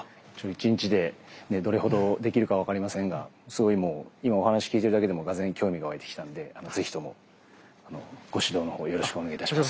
１日でどれほどできるか分かりませんがすごいもう今お話聞いてるだけでもがぜん興味が湧いてきたんでぜひともご指導のほうよろしくお願いいたします。